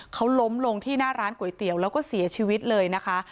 เขาล้มลงที่หน้าร้านก๋วยเตี๋ยวแล้วก็เสียชีวิตเลยนะคะ